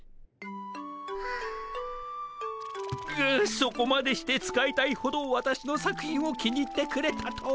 そこまでして使いたいほどわたしの作品を気に入ってくれたとは。